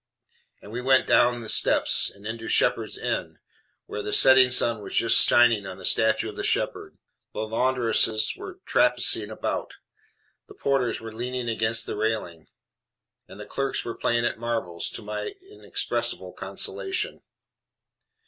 And we went down the steps, and into Shepherd's Inn, where the setting sun was just shining on the statue of Shepherd; the laundresses were traipsing about; the porters were leaning against the railings; and the clerks were playing at marbles, to my inexpressible consolation.